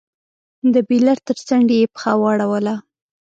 د بېلر تر څنډې يې پښه واړوله.